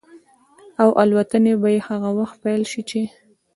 او الوتنې به هغه وخت پيل شي چې